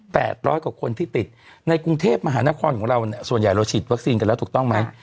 ร้อยกว่าคนที่ติดในกรุงเทพมหานครของเราเนี่ยส่วนใหญ่เราฉีดวัคซีนกันแล้วถูกต้องไหม